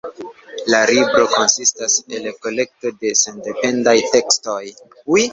La libro konsistas el kolekto de sendependaj tekstoj.